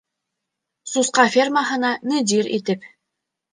Сусҡа фермаһына мөдир итеп.